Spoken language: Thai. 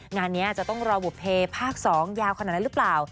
งานนี้จะต้องรอบุภเวภาค๒ยาวขนาดนั้นหรือเปล่า